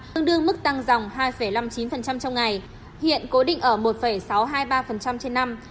tương đương mức tăng dòng hai năm mươi chín trong ngày hiện cố định ở một sáu trăm hai mươi ba trên năm